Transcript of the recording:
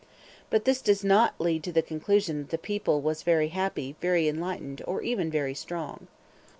But this does not lead to the conclusion that the people was very happy, very enlightened, or even very strong.